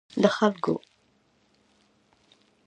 د خلګو